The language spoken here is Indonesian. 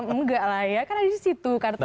enggak lah ya kan ada di situ